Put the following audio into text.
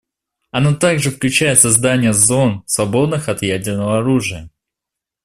Оно также включает создание зон, свободных от ядерного оружия.